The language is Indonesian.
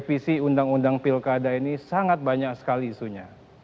yang dibahas di revisi undang undang pilkada ini sangat banyak sekali isunya